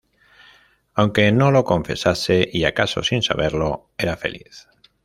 aunque no lo confesase, y acaso sin saberlo, era feliz